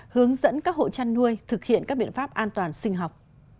hướng dẫn các hộ chăn nuôi thực hiện các biện pháp an toàn sinh học